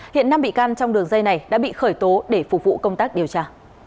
hiện năm bị can trong đường dây này đã bị khởi tố để phục vụ công tác điều tra